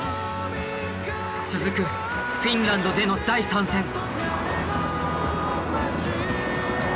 続くフィンランドでの第３戦。